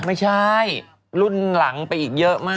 ไม่ใช่รุ่นหลังไปอีกเยอะมาก